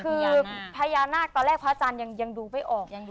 คือพญานาคตอนแรกพระอาจารย์ยังดูไม่ออก